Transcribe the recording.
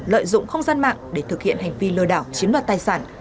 lợi dụng không gian mạng để thực hiện hành vi lừa đảo chiếm đoạt tài sản